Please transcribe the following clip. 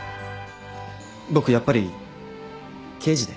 僕やっぱり刑事で。